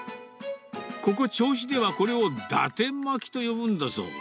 ここ、銚子ではこれを伊達巻きと呼ぶんだそう。